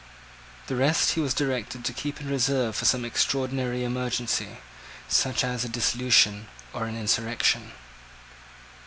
The rest he was directed to keep in reserve for some extraordinary emergency, such as a dissolution or an insurrection.